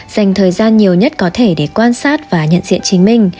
dành thời gian nhiều nhất có thể để quan sát và nhận diện chính mình